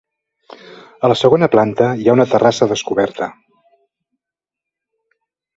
A la segona planta hi ha una terrassa descoberta.